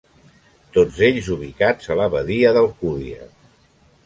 Tots ells ubicats a la Badia d'Alcúdia.